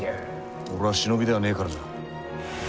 俺は忍びではねえからじゃ。